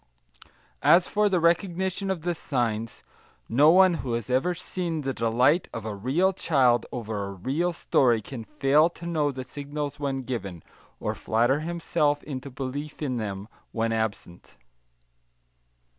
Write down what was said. As for the recognition of the signs, no one who has ever seen the delight of a real child over a real story can fail to know the signals when given, or flatter himself into belief in them when absent.